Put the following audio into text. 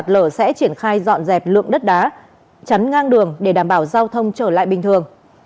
sạt lở sẽ triển khai dọn dẹp lượng đất đá chắn ngang đường để đảm bảo giao thông trở lại bình thường